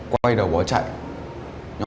quay đầu bỏ chạy